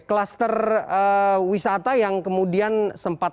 kluster wisata yang kemudian sempat